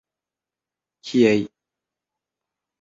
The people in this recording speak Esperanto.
Kiaj!